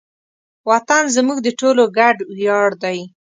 وطن زموږ د ټولو ګډ ویاړ دی.